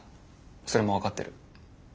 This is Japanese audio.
それも分かってる。